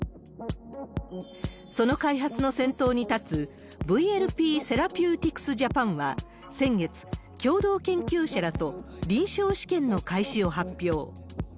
その開発の先頭に立つＶＬＰセラピューティクス・ジャパンは先月、共同研究者らと臨床試験の開始を発表。